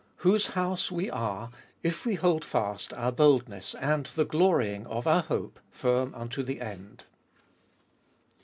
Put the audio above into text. Whose house we are, if we hold fast our boldness and the glorying of our hope firm unto the end.